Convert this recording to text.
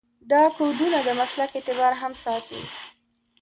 دا کودونه د مسلک اعتبار هم ساتي.